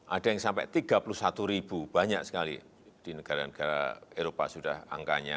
ada yang sampai rp tiga puluh satu banyak sekali di negara negara eropa sudah angkanya rp tiga puluh satu